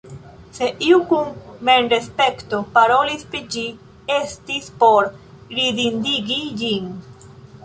Se iu kun memrespekto parolis pri ĝi, estis por ridindigi ĝin.